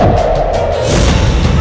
aku sudah menang